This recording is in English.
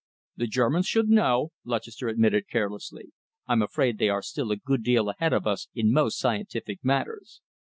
"The Germans should know," Lutchester admitted carelessly. "I'm afraid they are still a good deal ahead of us in most scientific matters.